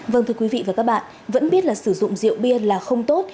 vâng thưa quý vị và các bạn vẫn biết là sử dụng rượu bia là không tốt